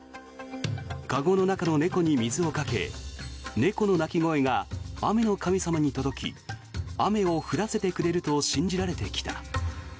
籠の中の猫に水をかけ猫の鳴き声が雨の神様に届き雨を降らせてくれると信じられてきた。